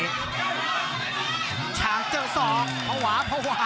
คุณช้างเจอะศอกภวา